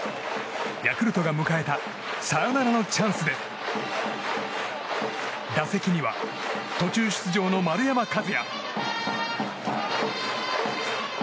ヤクルトが迎えたサヨナラのチャンスで打席には途中出場の丸山和郁。